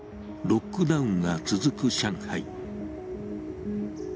ロックダウンが続く上海。